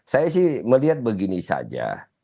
saya sih melihat begini saja